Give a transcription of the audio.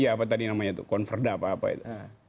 iya apa tadi namanya itu konferda apa apa itu